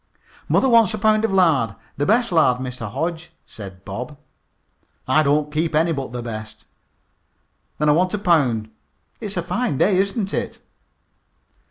"Mother wants a pound of lard the best lard, Mr. Hodge," said Bob. "I don't keep any but the best." "Then I want a pound. It's a fine day, isn't it?"